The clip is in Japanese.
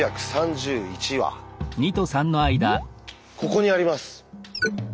ここにあります。